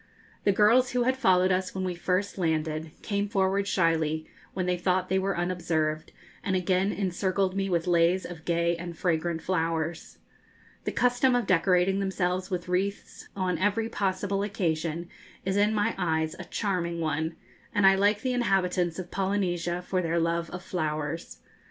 The girls who had followed us when we first landed came forward shyly when they thought they were unobserved, and again encircled me with leis of gay and fragrant flowers. The custom of decorating themselves with wreaths on every possible occasion is in my eyes a charming one, and I like the inhabitants of Polynesia for their love of flowers.